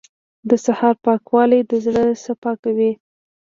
• د سهار پاکوالی د زړه صفا کوي.